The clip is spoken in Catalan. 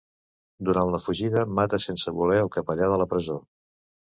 Durant la fugida, mata sense voler el capellà de la presó.